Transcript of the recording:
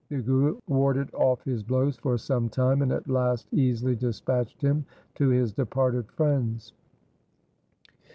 The Guru warded off his blows for some time, and at last easily dispatched him to his departed friends.